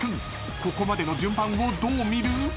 ここまでの順番をどう見る？］